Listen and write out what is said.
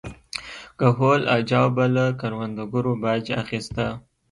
کهول اجاو به له کروندګرو باج اخیسته